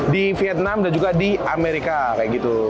di vietnam dan juga di amerika kayak gitu